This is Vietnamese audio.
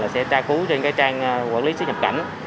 sẽ tra cứu trên trang quản lý xuất nhập cảnh